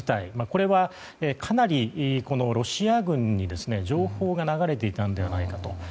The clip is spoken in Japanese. これはかなりロシア軍に情報が流れていたのではないかと。